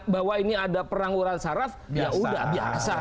bahwa ini ada perang uran saraf ya sudah biasa